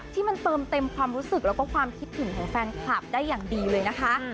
ที่มันเติมเต็มความรู้สึกแล้วก็ความคิดถึงของแฟนคลับได้อย่างดีเลยนะคะ